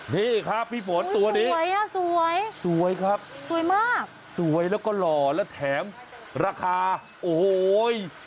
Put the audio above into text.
นี่ครับพี่ฝนตัวนี้สวยอ่ะสวยสวยครับสวยมากสวยแล้วก็หล่อและแถมราคาโอ้โห